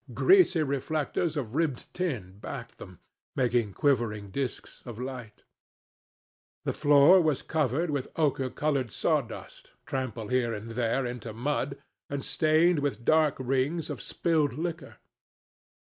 Greasy reflectors of ribbed tin backed them, making quivering disks of light. The floor was covered with ochre coloured sawdust, trampled here and there into mud, and stained with dark rings of spilled liquor.